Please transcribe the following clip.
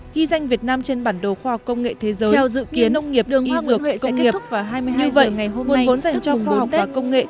ghi danh việt nam trên bản đồ khoa học công nghệ thế giới theo dự kiến đường hoa nguyễn huệ sẽ kết thúc vào hai mươi hai h ngày hôm nay tức mùng bốn tết